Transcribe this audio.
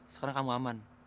sekarang kamu aman